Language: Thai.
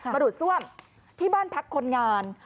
มาดูดซ่วมที่บ้านพักคนงาน